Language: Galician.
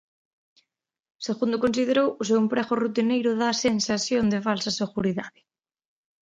Segundo considerou, o seu emprego rutineiro "dá sensación de falsa seguridade".